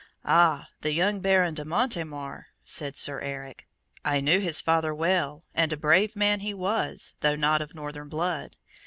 "Ah! the young Baron de Montemar," said Sir Eric. "I knew his father well, and a brave man he was, though not of northern blood.